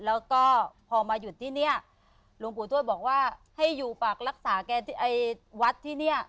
แล้วก็พอมาอยู่ที่นี่หลวงปู่ทวชบอกว่าให้อยู่ปากรักษาไว้ที่นี่